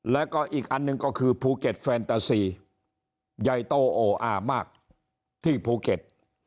แล้วก็อีกอันหนึ่งก็คือภูเก็ตแฟนตาซีใหญ่โตโออามากที่ภูเก็ต